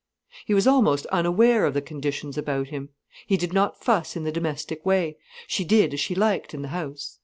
He was almost unaware of the conditions about him. He did not fuss in the domestic way, she did as she liked in the house.